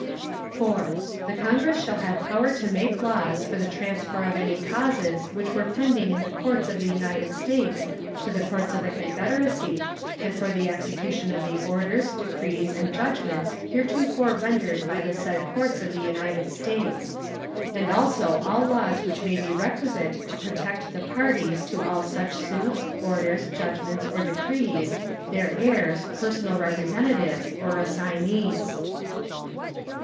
4. The Congress shall have power to make laws for the transfer of any causes which were pending in the courts of the United States to the courts of the Confederacy, and for the execution of the orders, decrees, and judgments heretofore rendered by the said courts of the United States; and also all laws which may be requisite to protect the parties to all such suits, orders, judgments, or decrees, their heirs, personal representatives, or assignees.